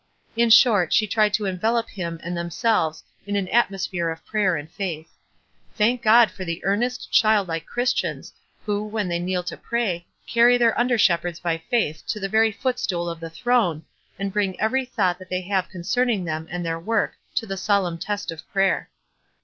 In short she tried to envelop him and themselves in un atmosphere of prayer and faith. Thank G )d for the earnest, childlike Christians, who, when they kneel to pray, carry their under shepherds by faith to the very footstool of the throne, and bring every thought that they have WISE AND OTHERWISE. 11 concerning them and their work to the solemn test of pr r yer.